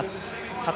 佐藤